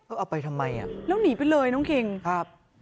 เอาไปทำไมอ่ะแล้วหนีไปเลยน้องคิงครับ